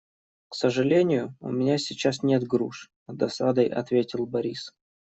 «К сожалению, у меня сейчас нет груш», - с досадой ответил Борис.